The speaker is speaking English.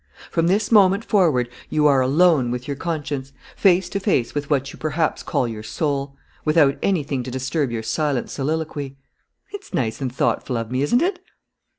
From this moment forward you are alone with your conscience, face to face with what you perhaps call your soul, without anything to disturb your silent soliloquy. It's nice and thoughtful of me, isn't it?